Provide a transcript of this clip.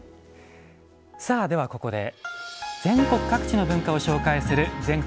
では、ここで全国各地の文化を紹介する「全国